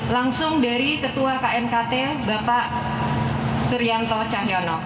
langsung dari ketua knkt bapak suryanto cahyono